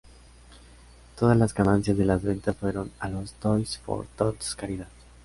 Todas las ganancias de las ventas fueron a las Toys for Tots caridad.